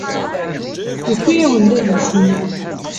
Yewwi-awen-d adlis-nni.